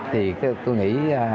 thì tôi nghĩ